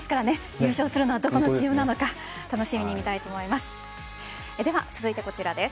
優勝するのはどこのチームなのか楽しみに見たいと思います。